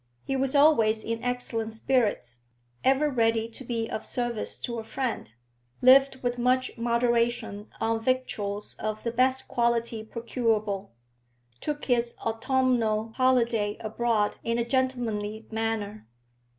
He was always in excellent spirits, ever ready to be of service to a friend, lived with much moderation on victuals of the best quality procurable, took his autumnal holiday abroad in a gentlemanly manner.